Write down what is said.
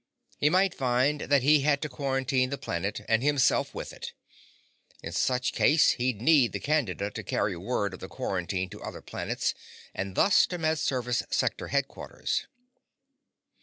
He might find that he had to quarantine the planet and himself with it. In such a case he'd need the Candida to carry word of the quarantine to other planets and thus to Med Service sector headquarters.